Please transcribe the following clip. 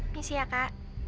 ini sih ya kak